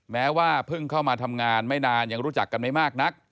แม้ว่าเพิ่งเข้ามาทำงานไม่นานยังรู้จักกันไม่มากนัก